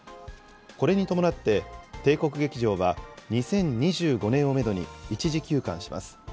これに伴って、帝国劇場は２０２５年をメドに一時休館します。